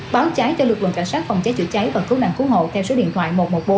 báo cháy cho lực lượng cảnh sát phòng cháy chữa cháy và cứu nạn cứu hộ theo số điện thoại một trăm một mươi bốn